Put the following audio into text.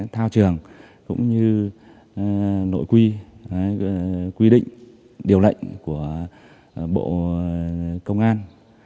thao trường cũng như nội quy quy định điều lệnh của bộ công an